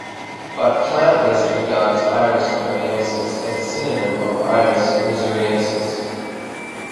But Plant List regards 'Iris pariensis' as a synonym of 'Iris missouriensis'.